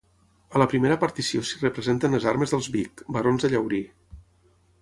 A la primera partició s'hi representen les armes dels Vic, barons de Llaurí.